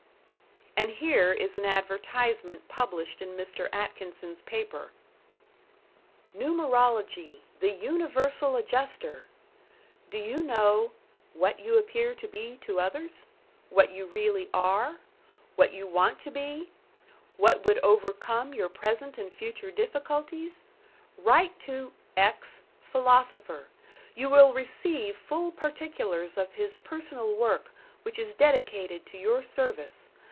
And here is an advertisement published in Mr. Atkinson's paper: Numerology: the Universal Adjuster! Do you know: What you appear to be to others? What you really are? What you want to be? What would overcome your present and future difficulties? Write to x, Philosopher. You will receive full particulars of his personal work which is dedicated to your service.